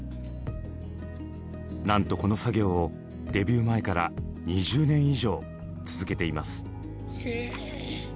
なんとこの作業をデビュー前から２０年以上続けています。